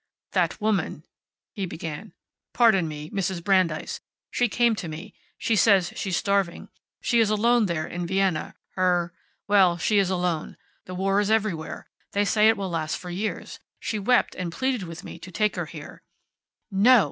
"That woman," he began. "Pardon me, Mrs. Brandeis. She came to me. She says she is starving. She is alone there, in Vienna. Her well, she is alone. The war is everywhere. They say it will last for years. She wept and pleaded with me to take her here." "No!"